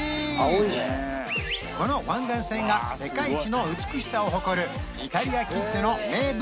この湾岸線が世界一の美しさを誇るイタリアきっての名物